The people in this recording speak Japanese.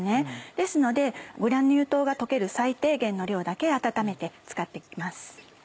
ですのでグラニュー糖が溶ける最低限の量だけ温めて使って行きます。